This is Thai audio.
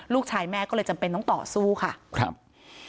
ลูกชายแม่ก็เลยจำเป็นต้องต่อสู้ค่ะครับ